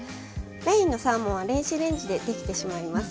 メインのサーモンは電子レンジでできてしまいます。